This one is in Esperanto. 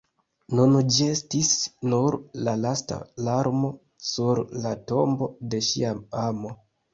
Nun ĝi estis nur la lasta larmo sur la tombo de ŝia amo!